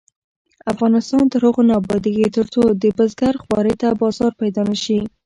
افغانستان تر هغو نه ابادیږي، ترڅو د بزګر خوارۍ ته بازار پیدا نشي.